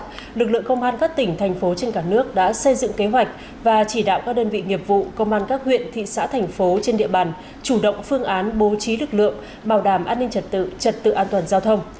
trước đó lực lượng công an các tỉnh thành phố trên cả nước đã xây dựng kế hoạch và chỉ đạo các đơn vị nghiệp vụ công an các huyện thị xã thành phố trên địa bàn chủ động phương án bố trí lực lượng bảo đảm an ninh trật tự trật tự an toàn giao thông